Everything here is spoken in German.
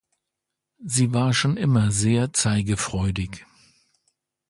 Sie war schon immer sehr zeigefreudig.